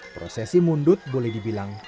prosesi mundur boleh dibilang tanpa arah